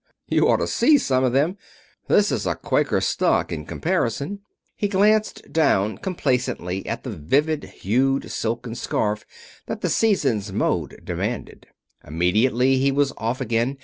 You ought to see some of them. This is a Quaker stock in comparison." He glanced down complacently at the vivid hued silken scarf that the season's mode demanded. Immediately he was off again.